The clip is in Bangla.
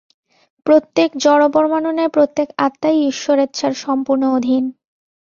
প্রত্যেক জড়পরমাণুর ন্যায় প্রত্যেক আত্মাই ঈশ্বরেচ্ছার সম্পূর্ণ অধীন।